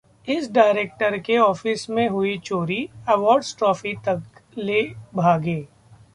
इस डायरेक्टर के ऑफिस में हुई चोरी, अवॉर्ड्स ट्रॉफी तक ले भागे